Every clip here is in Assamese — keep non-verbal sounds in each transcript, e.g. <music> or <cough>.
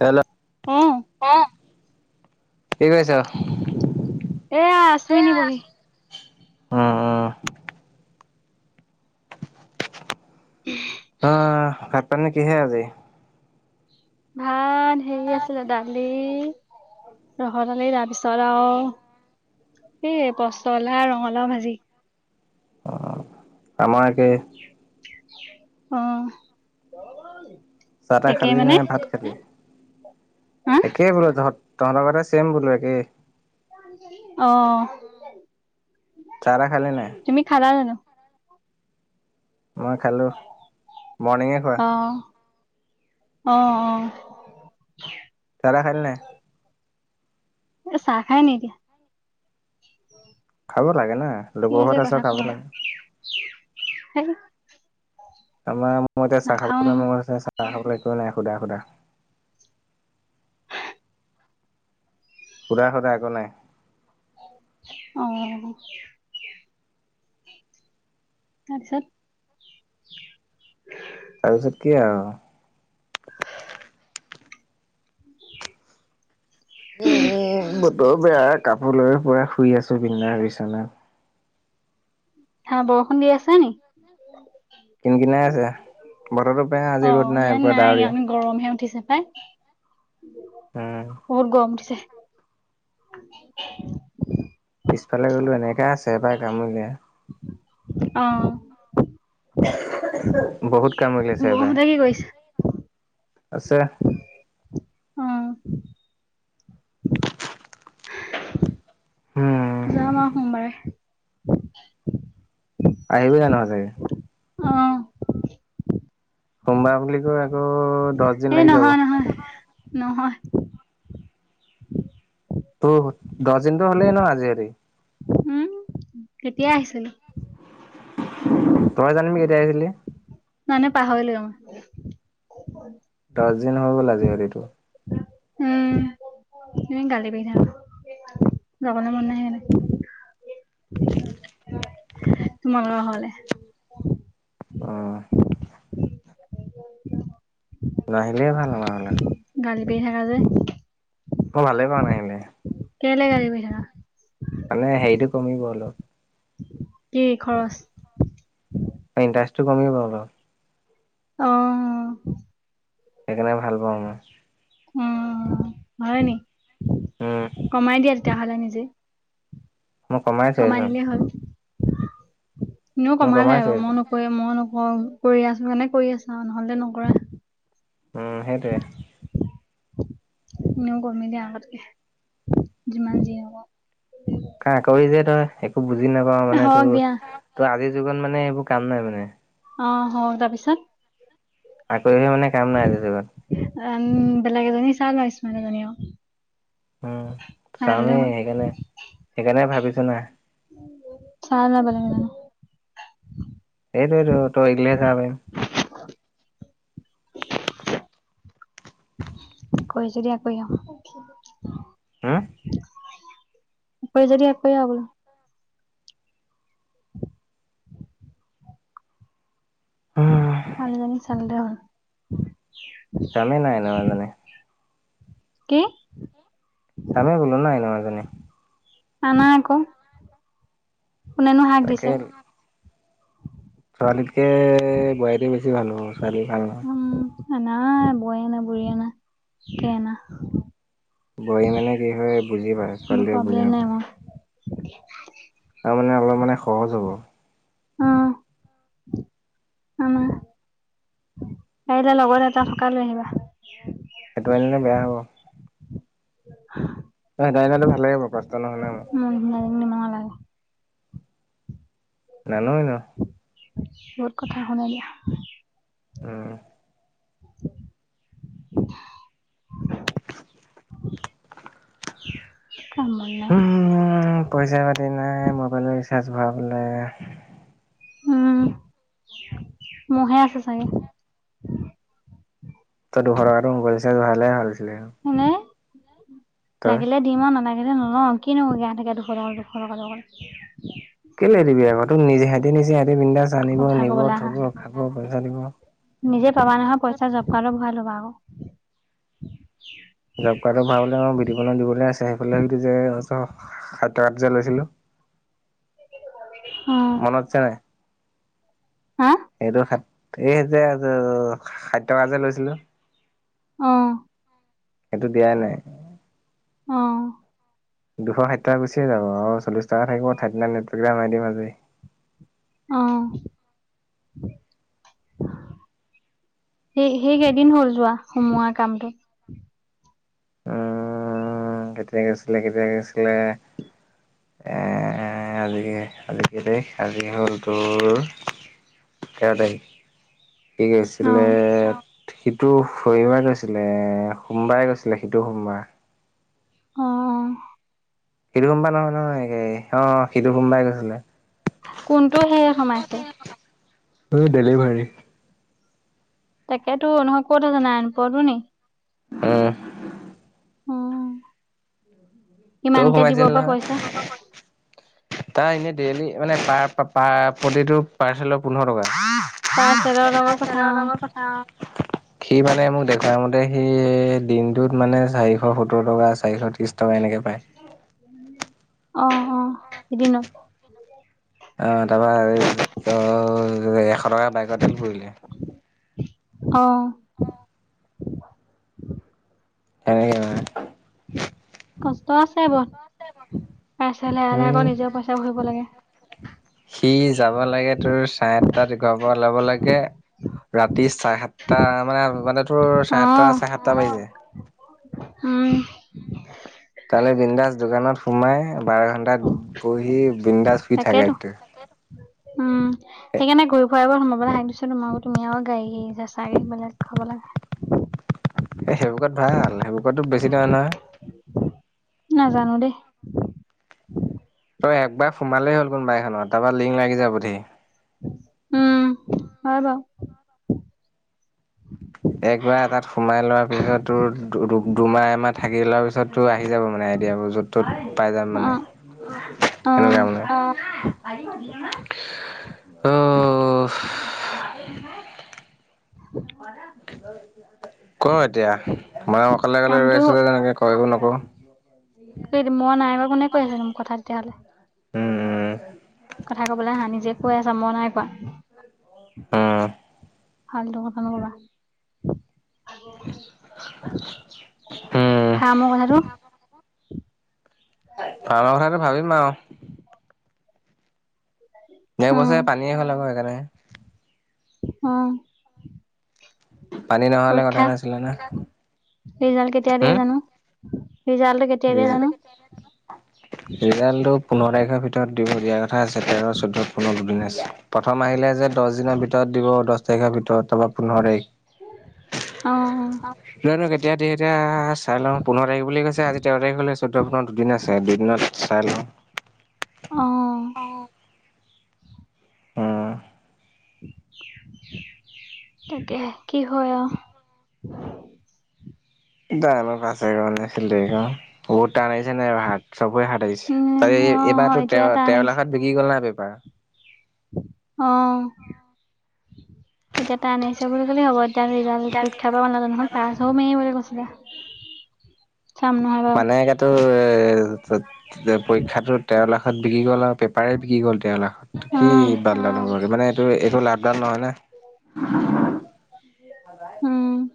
হেল্ল' অ অ। এয়া আছো এনেই বহি। অ অ। অ। <unintelligible> ভাত পানী কিহে আজি? ভাত, হেৰি আছিলে দালি, ৰহৰ দালি তাৰপিছত আৰু এই পছলা, ৰঙালাও ভাজি। আমাৰ একে। অ। চাহ তাহ একেই খালি মানে নে ভাত খালি? হা একেই বোলো তহঁত তহঁতৰ কতে চেম বোলো একেই। আহ। চাহ তাহ খালি নাই? জানো মই খালোঁ, মৰ্ণিঙে খোৱা। আহ আহ। চাহ তাহ খালি নাই? এ চাহ খাই নি এতিয়া। খাব লাগে ন কি লগৰ যে ঘৰত কথা আছ খাব কোৱা লাগে। সেই আমাৰ। মই এতিয়া নাখাও খাবলৈ মন আছে চাহ খাবলৈ একোৱে নাই। সুদা সুদা সুদা সুদা একো নাই। অ। তাৰপিছত। তাৰপিছত কি আৰু <unintelligible> <inaudible> উম উম বতৰ বেয়া কাপোৰ লৈ শোৱা। শুই আছ জুবিনা দাৰ বিচনাত। হা বৰষুণ দি আছে নি? কিনকিনাই আছে। বতৰটো বেয়া, অ আজি ৰ'দ নাই। ইয়াত পোৰা ইয়াত ডাৱৰীয়া। গৰমহে <unintelligible> উম। বহুত গৰম উঠিছে। <unintelligible> পিছফালে গ'লোঁ এনেকৈ আছে, <unintelligible> অ'। <unintelligible> বহুত কাম উলিয়াইছে এইবাৰ। বৌহঁতে কি কৰিছে আছে। অ উম যাম আৰু সোমবাৰে। <unintelligible> আহিবি জানো আজি? অ'। সোমবাৰ বুলি কৈ আকৌ! দহ দিন এ লাগি যাব নহয় নহয়। নহয়। ত' দশ দিনতো হ'লেই ন আজি ৰাতি? উম কেতিয়া আহিছিল? তই জানিবি কেতিয়া আহিছিলি? মই এনে পাহৰিলোঁ। দহ দিন হৈ গ'ল আজি ৰাতি তোৰ উম। ইমান গালি পাৰি থাক, যাবলৈ মন নাই সেইকাৰণে। তোমালোকৰ ঘৰলে অ'। <inaudible> নাহিলেই ভাল আমাৰ ঘৰলে। গালি পাৰি থাকা যে। মই ভালে পাওঁ নাহিলে। কেলে গালি পাৰি থাকা? মানে হেৰিটো কমিব অলপ। কি? খৰচ? <inaudible> ইণ্টাৰেষ্টটো কমি গ'লটো। অ' অ'। সেইকাৰণে ভাল পাওঁ মই। উম উম, হয় নি? উম কমাই দিয়া। <unintelligible> খালা নিজে মই কমাইছোয়ে কমাই চোন। দিলেই হ'ল এনেও কমালাই বাৰু। মই নো <unintelligible> অঁ কৰি আছো কাৰণে কৰি আছা নহলে নকৰা, উম সেইটোৱে এনেয়ো কমিলে আগতকৈ যিমান যি হলো খাকুৰি যে তই বুজি নাপাও মানে হওক তো দিয়া আজি তোৰ কাৰণে মানে এইবোৰ কাম নাই মানে, অঁহ হয় তাৰপিছত তইও মানে কাম নাই আজি যুগত ওম বেলেগ এজনি চা না ইচমাৰ্ত এজনি অ উম চামেই সেইকাৰণে সেইকাৰণে ভাবিছো নাই চাই ল বেলেগ এজনী এইটোৱেতো তই এইগিলাহে চাব পাৰিম ওমহ ওমহ <unintelligible> কৈ যদি দিয়াকৈ আহ হে তই যদি এক আবল হম উম ভালজনী চাই ললে হল কামে নাই ইনু এজনী কি? চামে বোলো না অইনুএজনী আনা আক কোনেনো হাক তাকে দিছে ছোৱালীতকে বোৱাৰীতে বেছি ভাল হ'ব ছোৱালী ভাল নহয় । উম আনা বোৱাৰী আনা বুঢ়ী আনা কি আনা? বোৱাৰী মানে কি হয় বুজি পায় ছোৱালীয়ে বুজি নাপায় । কিবা যে তাৰ মানে অলপ মানে সহজ হ'ব অহ আনা পাৰিলে লগত এটা থকা লৈ আহিবা সেইটো আনিলে বেয়া হ'ব উ লৈ আনিলেটো ভালে হব কষ্ট নহয় নহয় মোৰ। নিচিনা এজনী নিব নালাগে নানো এনেও বহুত কথা শুনালা উম ওমহ চিয়ক চিয়ক উম পইচা পাতি নাই মবাইলো ৰি চাজ ভৰাবলে উম মোহে আছে চাগে? তই দুশ টকাটো মোবাইল ৰিচাৰ্জ ভৱালে হ'ল। <inaudible> উ <inaudible> তই লাগিলে দিম আও <inaudible> লে নলও কিনো গোনাই থাকে দুশ টকা দুশ টকাৰ লগত। কেলে দিবি আকৌ তোক নিজে সেতি নিছে । কথা কবলৈ আহা। পইচা দিব নিজে পাবা নহয় পইচা জবকাৰ্ডত ভৰাই ল'বা আক। জব কাৰ্ডৰ ভৰাবলে আও বিটোপনক দিবলৈ আছে । <unintelligible> সাত সাত যে লৈছিলো অ মনত আছে নাই? হা সেইটো খা এইে যে ষাঠি টকা যে লৈছিলো। অহ। সেইটো দিয়াই নাই। অহ। দুশ ষাঠিটকা গুচিয়ে যাব আৰু। চল্লিছ টকা থাকিব, থাকিলে নেট পেট এটা মাৰি দিম আজি। অ হৈ <inaudible> আহ সেই সেই কেইদিন হ'ল যোৱা সোমোৱাৰ কামটো। উম্ কেতিয়া গৈছিলে কেতিয়া গৈছিলে, এ আজি আজি কেই তাৰিখ? আজি হ'ল টোৰ তেৰ তাৰিখ। কি অ কৈছিলে? সিটো শনিবাৰ গৈছিলে, সোমবাৰে গৈছিলে সিটো সোমবাৰ। অ সিটো সোম বাৰে নহয় নহয়, এই অ সিঁটো সোম বাই গৈছিলে। কোনটো সেয়ে সোমাইছে? ডেলিভাৰী। তাকেতো নহয় ক'ত <unintelligible> উম্ অহ। তৌ কিমানকে দিব সোমাইছিল বা নহয় পইচা? তাৰ হে ডেইলি মানে পাৰ পা প্ৰতিটো পাৰ্চেলৰ পোন্ধৰ টকা। পাৰ্চেলৰ লগত কথা <unintelligible> সি মানে মোক দে তাৰ মতে সি দিন দুই মানে চাৰিশ সত্তৰ টকা, চাৰিশ ত্ৰিশ টকা এনেকে পায়। অ অ এদিনত অ তাৰ পৰা এ এশ। এশ টকা বাইক তেল পুৰিলে অহ সেনেকে মে কষ্ট আছে বৰ পাছলে লাহে লাহে উম আকৌ নিজেও পইচা ভৰিব লাগে সি যাব লাগে তোৰ চাৰে আঠটাত ঘৰ পৰা ওলাব লাগে ৰাত ত্ৰিশ চাৰে সাতটা মানে মানে তোৰ চাৰে অ সাতটা চাৰে সাতটা বাজি যায় উম তালে বিন্দাস দোকানত সোমাই বাৰ ঘন্টাত বহি বৃন্দাছ শুই থাকা তাকেতো দিছ তোমাকো তুমি আৰু গাড়ীবিলাক খাব লাগে <inaudible> সেইবোকত ভাল সেইবোকতো বেছি নহয় নহয়। জানো দে তই একবাৰ সোমালেই হ'ল কোনোবাই এখনত তাৰপৰা লিংক লাগি যাব উম হয় বা একবাৰ এ তাত সোমাই লোৱাৰ পিছত তোৰ দু দুমাহ এমাহ থাকি লোৱাৰ পিছত তোৰ আহি যাব মানে আইডিয়াবোৰ য'ত ত'ত পাই যাম অ মানে অ সনেকোৱা মানে অ ক এতিয়া মই অকলে অকলে ৰৈ কামটো আছো যে তেনেকে কয় একো নক অ <inaudible> কোনে কৈ আছে মোক কথা তেতিয়া হ'লে উম উম কথা কবলৈ হাঁ নিজে কৈ আছা মই নাই কোৱা উম ভালদৰে বনাবা উম ফাম কথাটো ভাবা কথাটো ভাবিম আৰু <inaudible> এক বছৰে পানীয়ে খালে আকৌ সেইকাৰণে অ পানী নহলে কথা নাছিলে না ৰিজাল্ট কেতিয়া দিয়ে হম জানো ৰিজাল্টটো কেতিয়া দিয়ে জানো ৰিজাল্টটো পোন্ধৰ তাৰিখৰ ভিতৰত ঢিয়া <inaudible> ক আছে তেৰ চৈধ্য পোন্ধৰ দুদিন প্ৰথম আহিলে যে। দহ দিনৰ ভিতৰত দিব দহ তই গাবি তহঁত তাপা ফন আহা দেই অ না এতিয়া দিয়া এতিয়া চাই লওঁ পোন্ধৰ তাৰিখ বুলি তেৰ তাৰিখ হ'ল চৈধ্য পোন্ধৰ দুদিন হে আছে। চা দুদিনত চাইলং। অ <inaudible> অ অহ তাকে কি হয় আৰু। দাইভাৰ পা চাৰিশ ল'লে। দেগা বহুত <unintelligible> <unintelligible> আৰু ভাত চবৰে হাত আহিছে তাৰে উম অ এইবাৰ হয় তেৰ এতিয়া টান -তেৰ লাখত বিকি গ'ল না ব <inaudible> আহ', এতিয়া তান আহিছে বুলি ক'লে হ'ব ।এতিয়া ৰিজাল্ট পৰীক্ষা বাৰু নাজানো পাছ হ'মেই বুলি কৈছ । ৰাহ ', মানে এ', পৰীক্ষা তেৰ লাখ তাত বিক্ৰী' কলাপ। পেপাৰে বিকি গ'ল তেৰ লাখ কি উম বাদল হ'ব মানে এইটো এইটো লাভদান নহয় ন। <inaudible> <inaudible>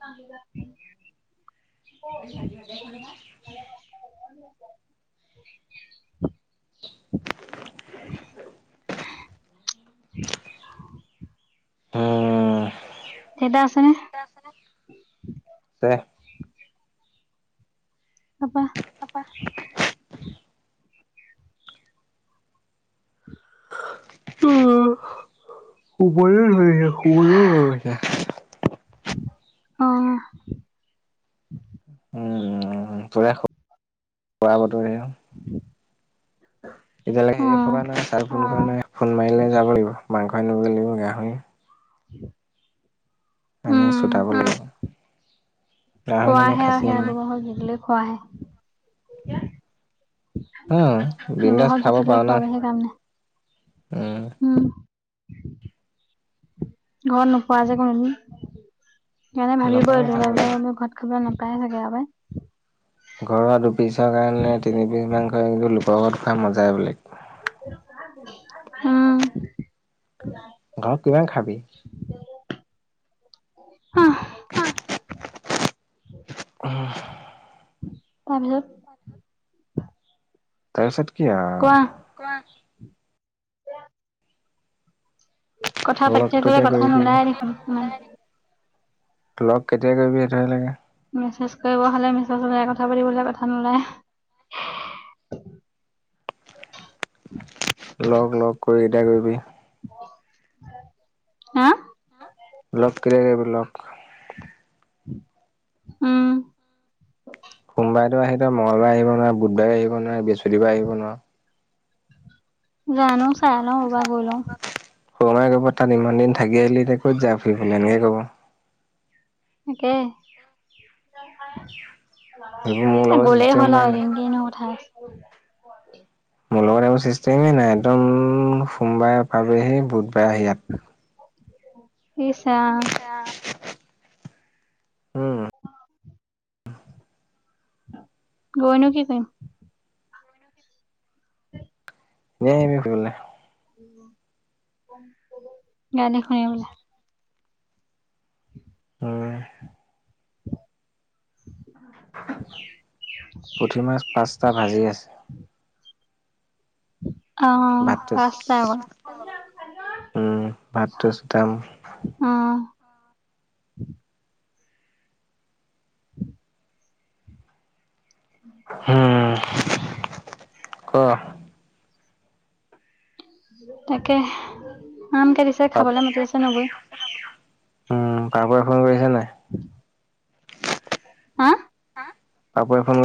<inaudible> <inaudible> <inaudible> <inaudible> উম', এটা আছেনে। তে পাপা পাপা অ', শুবলে <unintelligible> অহ', উম', উ', উৰা বাতৰি <unintelligible> <unintelligible> এতিয়ালেকে অ হেৰি পোৱা নাই অ ', চাৰ ফোন নাই ফোন মাৰিলে যাব লাগিব মাংস আনিব লাগিব গাহৰি হ <inaudible> <unintelligible> আনি শোকাব লাগিব গাহৰি ক নানে আহে খাচী -আহে আনে আলু গাহৰি হয়। <unintelligible> আ বিন্দাচ খাব পাওঁ ন? খোৱাৰ বাহিৰে কাম নাই উম ঘৰত নোপোৱা যায় কোনো দিন? সেইকাৰণে ভাবিব নাপাওঁ খাবলে এনেকুৱা ঘৰত খাবলৈ নাপয় <unintelligible> ঘৰুৱা দু <unintelligible> ঘৰত খোৱা মজাই বেলেগ, উম গাঁৱত কিমান খাবি, উ <unintelligible> <unintelligible> তাৰপিছত তাৰপিছত কি আও, কোৱা কোৱা কথা পাতি লগ থাকিলে তেতিয়া কথা কৰিবি নোলায় দেখোন ইমান লগ কেতিয়া কৰিবি সেইটোহে লাগে? মেছেজ কৰিব হলে মেছেজ উলায়, কথা পাতিবলে হলে কথা নোলায়। লগ লগ কেতিয়া কৰিবি? হা লগ কেতিয়া কৰিবি লগ? উম মঙলবাই আহিব নোৱাৰে, বুধবাৰে আহিব নোৱাৰে, বি দেওবাৰে আহিব নোৱাৰ। জানো চাই লওঁ ৰবা গৈ লওঁ, সৰুমাই কব তাত ইমান দিন থাকি আহিলি ক'ত যাওঁ ফূৰিবলে এনেকে কব, তাকে সেইবোৰ মোৰ লগত গ'লেই চিষ্টেম হ'ল নাই আৰু না এদিন কে এনেও উঠাই <unintelligible> মো লগত এইবো ছিছ। নাই একদম। সোমবাৰে পালোঁহি বুধবাৰে আহি ইয়াত। ইচ্। আহ। উম। গৈ নো কি কৰিম? এনে আহিবি ফুৰিবলে। গানে শুনে বোলে <unintelligible> উ <unintelligible> উম। <unintelligible> পুঠি মাছ পাঁচটা ভাজি আছে। উ <unintelligible> আহ ভাতটো পাঁচতা অ। উম, ভাতটো চুটাম উম <unintelligible> উ <unintelligible> উম। ক? তাকে। আমকে দিছে পাপ খাবলে মাতি আছে নবৌ উম কাৰোবাক ফোন কৰিছো নাই? <unintelligible> হা পাপৰ এখনত।